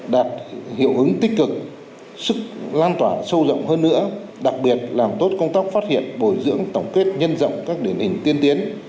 đạt hiệu ứng tích cực sức lan tỏa sâu rộng hơn nữa đặc biệt làm tốt công tác phát hiện bồi dưỡng tổng kết nhân rộng các điển hình tiên tiến